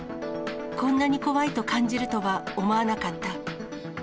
こんなに怖いと感じるとは思わなかった。